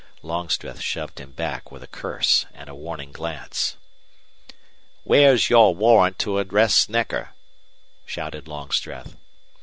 Longstreth shoved him back with a curse and a warning glare. "Where's your warrant to arrest Snecker?" shouted Longstreth.